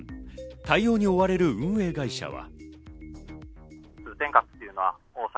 対応に追われる運命会社は。